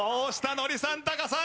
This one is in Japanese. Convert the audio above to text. ノリさんタカさん！